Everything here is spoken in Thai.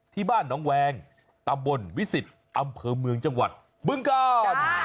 ที่บ้านน้องแวงตำบลวิสิตอำเภอเมืองจังหวัดบึงกาล